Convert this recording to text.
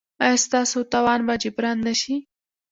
ایا ستاسو تاوان به جبران نه شي؟